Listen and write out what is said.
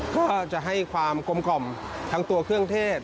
ก็จะให้ความกลมกล่อมทั้งตัวเครื่องเทศ